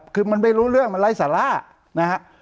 คือมันไม่รู้เรื่องมันไร้สาระนะฮะ